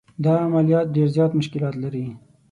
دا عملیات ډېر زیات مشکلات لري.